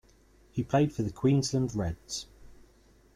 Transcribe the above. He played for the Queensland Reds.